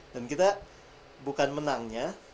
dan kita bukan menangnya